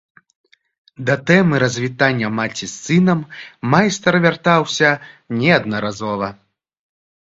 Да тэмы развітання маці з сынам майстар вяртаўся неаднаразова.